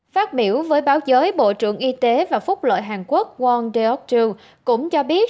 phát biểu với báo giới bộ trưởng y tế và phúc lợi hàn quốc won deok joo cũng cho biết